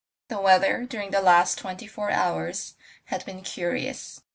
The weather, during the last twenty four hours, had been curious.